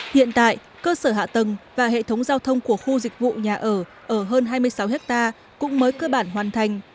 hiện tại cơ sở hạ tầng và hệ thống giao thông của khu dịch vụ nhà ở ở hơn hai mươi sáu hectare cũng mới cơ bản hoàn thành